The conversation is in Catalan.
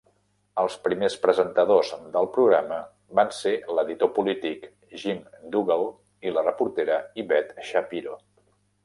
Els primers presentadors del programa van ser l'editor polític Jim Dougal i la reportera Yvette Shapiro.